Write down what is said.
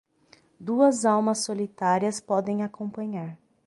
Duas almas solitárias podem acompanhar